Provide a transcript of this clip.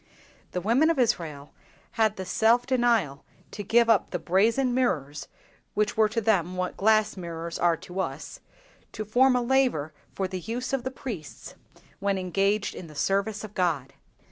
The women of Israel had the self denial to give up the brazen mirrors—which were to them what glass mirrors, are to us—to form a laver for the use of the priests when engaged in the service of God.